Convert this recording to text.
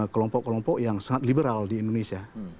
kelompok kelompok yang sangat liberal di indonesia